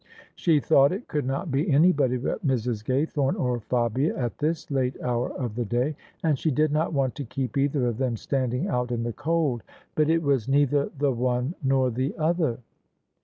She thought it could not be anybody but Mrs. Gay thome or Fabia at this late hour of the day; and she did not want to keep either of them standing out in the cold. But it was neither the one nor the other.